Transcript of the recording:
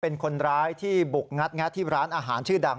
เป็นคนร้ายที่บุกงัดแงะที่ร้านอาหารชื่อดัง